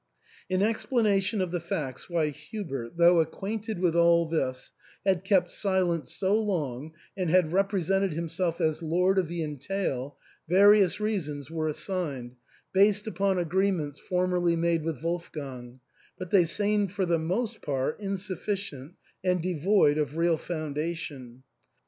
In explana tion of the facts why Hubert, though acquainted with all this, had kept silent so long and had represented himself as lord of the entail, various reasons were as signed, based upon agreements formerly made with Wolfgang, but they seemed for the most part insuffi cient and devoid of real foundation.